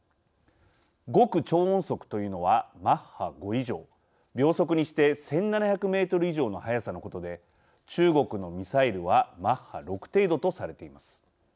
極超音速というのはマッハ５以上秒速にして１７００メートル以上の速さのことで、中国のミサイルはマッハ６程度とされています。